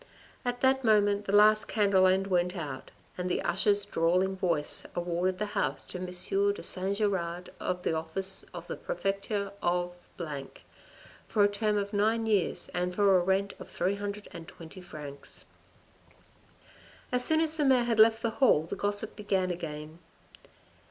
At that moment the last candle end went out and the usher's drawling voice awarded the house to M. de St. Giraud of the office of the prefecture of for a term of nine years and for a rent of 320 francs. As soon as the mayor had left the hall, the gossip began again.